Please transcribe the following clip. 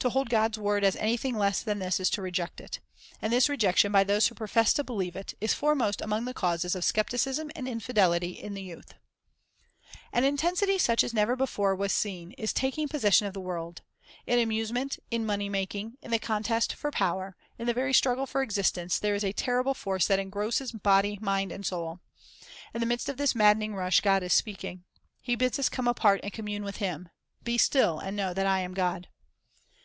To hold God's word as anything less than this is to reject it. And this rejection by those who profess to believe it, is foremost among the causes of skepticism and infidelity in the youth. Time for Prayer An intensity such as never before was seen is taking possession of the world. In amusement, in money making, in the contest for power, in the very struggle for existence, there is a terrible force that engrosses body and mind and soul. In the midst of this mad dening rush, God is speaking. He bids us come apart and commune with Him. "Be still, and know that 1 am God.